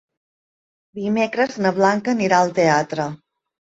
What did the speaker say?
Dimecres na Blanca anirà al teatre.